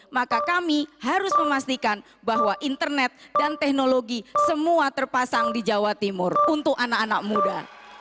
maka kami harus memastikan bahwa internet dan teknologi semua terpasang di jawa timur untuk anak anak muda